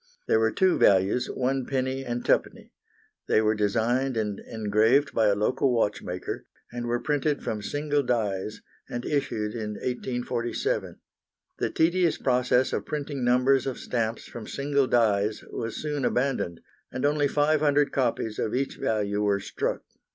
There were two values, 1d. and 2d. They were designed and engraved by a local watchmaker, and were printed from single dies, and issued in 1847. The tedious process of printing numbers of stamps from single dies was soon abandoned, and only 500 copies of each value were struck.